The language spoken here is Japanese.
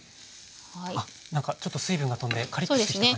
あなんかちょっと水分がとんでカリッとしてきた感じがしますね。